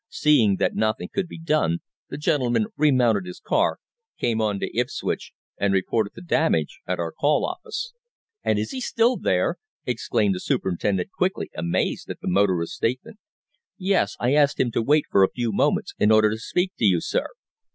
Seeing that nothing could be done, the gentleman remounted his car, came on to Ipswich, and reported the damage at our call office." "And is he still there?" exclaimed the superintendent quickly, amazed at the motorist's statement. "Yes. I asked him to wait for a few moments in order to speak to you, sir."